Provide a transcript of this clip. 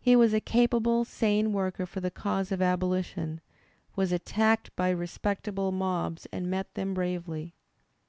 He was a capable, sane worker for the cause of Abolition, was attacked by respectable mobs and met them bravely.